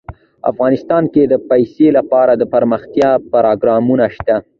افغانستان کې د پسه لپاره دپرمختیا پروګرامونه شته.